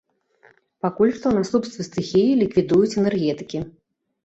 Пакуль што наступствы стыхіі ліквідуюць энергетыкі.